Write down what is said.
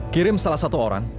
kirim salah satu orang